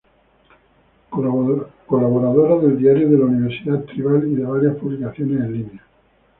Colaboradora del Diario de la Universidad Tribal y de varias publicaciones en línea.